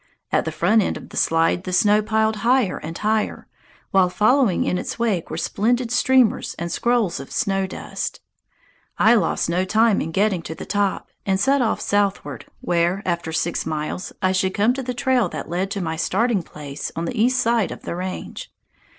At the front end of the slide the snow piled higher and higher, while following in its wake were splendid streamers and scrolls of snow dust. I lost no time in getting to the top, and set off southward, where, after six miles, I should come to the trail that led to my starting place on the east side of the range.